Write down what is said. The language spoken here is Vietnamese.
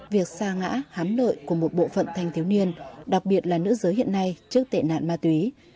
việc xa ngã hám lợi của một bộ phận thanh thiếu niên đặc biệt là nữ giới hiện nay trước tệ nạn ma túy